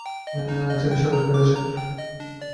তিনি স্বদেশে ফিরে আসেন।